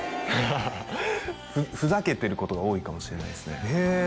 あはははふざけてることが多いかもしれないですね